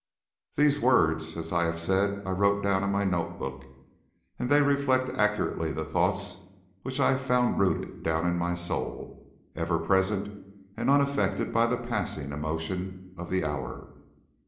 These words, as I have said, I wrote down in my note book, and they reflected accurately the thoughts which I found rooted far down in my soul, ever present and unaffected by the passing emotions of the hour.